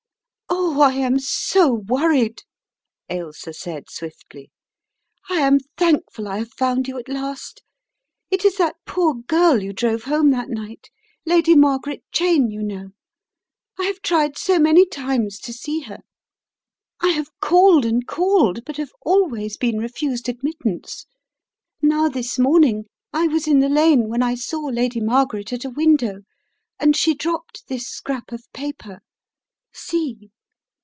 "Oh, I am so worried!" Ailsa said swiftly. "I am thankful I have found you at last. It is that poor girl you drove home that night, Lady Margaret Cheyne, you know. I have tried so many times to see her. I have called and called, but have always been refused admittance. Now this morning I was The House with the Shuttered Windows 109 in the lane when I saw Lady Margaret at a window and she dropped this scrap of paper. See!"